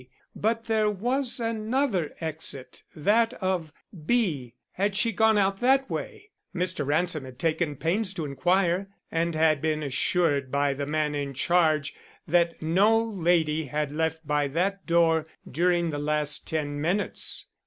But there was another exit, that of B. Had she gone out that way? Mr. Ransom had taken pains to inquire and had been assured by the man in charge that no lady had left by that door during the last ten minutes.